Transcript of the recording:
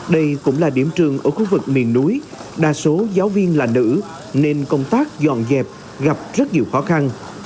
đây cũng là điểm trường ở khu vực miền núi đa số giáo viên là nữ nên công tác dọn dẹp gặp rất nhiều khó khăn